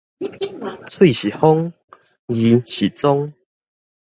喙是風，字是蹤